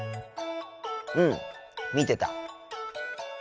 うん見てた。